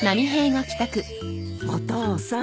お父さん。